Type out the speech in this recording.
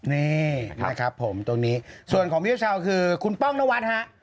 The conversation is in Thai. นี่นะครับผมตรงนี้ส่วนของพี่เจ้าชาวคือคุณป้องนวัดฮะ